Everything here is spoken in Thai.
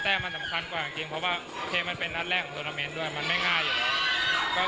เพราะว่าเทมมันเป็นนัดแรกของโดนาเมนต์ด้วยมันไม่ง่ายอยู่แล้ว